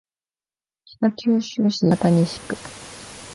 北九州市八幡西区